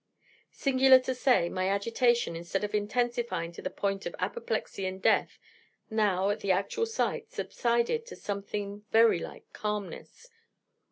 Singular to say, my agitation, instead of intensifying to the point of apoplexy and death, now, at the actual sight, subsided to something very like calmness.